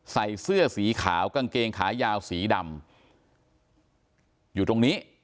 ใส่เสื้อสีขาวกางเกงขายาวสีดำอยู่ตรงนี้